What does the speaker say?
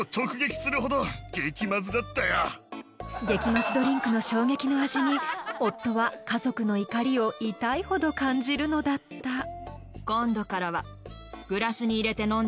激マズドリンクの衝撃の味に夫は家族の怒りを痛いほど感じるのだった